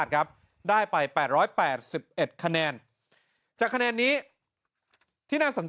กายุ่ง